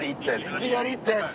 いきなり行ったやつ。